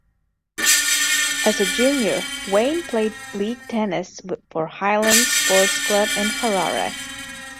As a junior Wayne played league tennis for Highlands Sports Club in Harare.